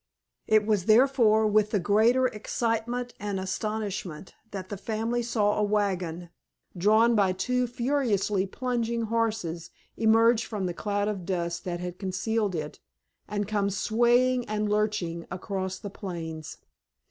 It was therefore with the greater excitement and astonishment that the family saw a wagon drawn by two furiously plunging horses emerge from the cloud of dust that had concealed it, and come swaying and lurching across the plains.